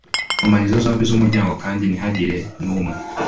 nkomanizo zombi z umuryango kandi ntihagire n umwe